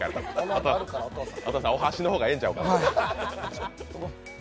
お父さん、お箸の方がええんちゃうか。